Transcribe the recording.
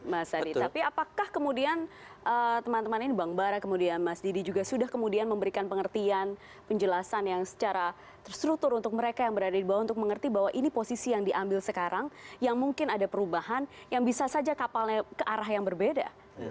mas adi tapi apakah kemudian teman teman ini bang bara kemudian mas didi juga sudah kemudian memberikan pengertian penjelasan yang secara terstruktur untuk mereka yang berada di bawah untuk mengerti bahwa ini posisi yang diambil sekarang yang mungkin ada perubahan yang bisa saja kapalnya ke arah yang berbeda